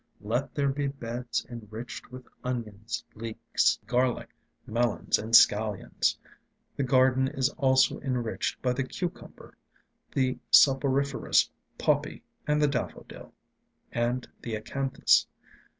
Let there be beds enriched with onions, leeks, garlic, melons, and scallions. The garden is also enriched by the cucumber, the soporiferous poppy, and the daffodil, and the acanthus.